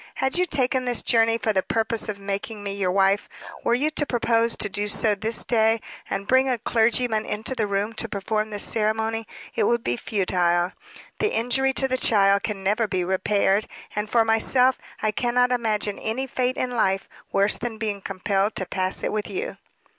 Had you taken this journey for the purpose of making me your wife, were you to propose to do so this day, and bring a clergyman into the room to perform the ceremony, it would be futile. The injury to the child can never be repaired; and, for myself, I cannot imagine any fate in life worse than being compelled to pass it with you."